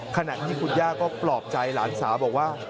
ขณะที่คุณย่าก็ปลอบใจหลานสาวบอกว่า